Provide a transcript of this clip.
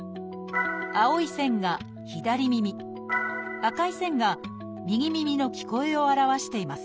青い線が左耳赤い線が右耳の聞こえを表しています。